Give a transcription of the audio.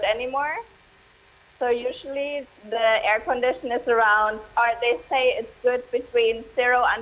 jadi biasanya kondisi udara di sekitar atau mereka bilang